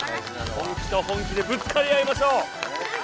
本気と本気でぶつかりあいましょう。